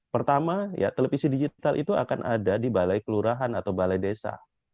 pertama televisi digital itu akan ada di balai kelurahan atau balai desa